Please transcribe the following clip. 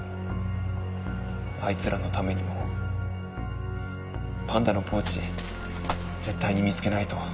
あいつらのためにもパンダのポーチ絶対に見つけないと。